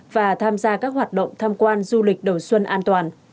và tham gia các hoạt động tham quan du lịch đầu xuân an toàn